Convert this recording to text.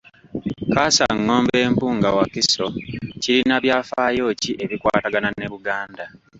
Kaasangombe Mpunga Wakiso kirina byafaayo ki ebikwatagana ne Buganda?